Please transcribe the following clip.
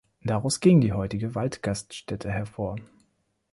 Daraus ging die heutige Waldgaststätte hervor.